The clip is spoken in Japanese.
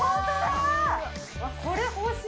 これ、欲しい！